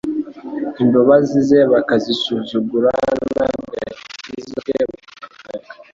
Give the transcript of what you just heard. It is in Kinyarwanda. imbabazi ze bakazisuzugura, n'agakiza ke bakakareka,